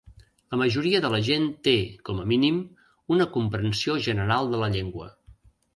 La majoria de la gent té, com a mínim, una comprensió general de la llengua.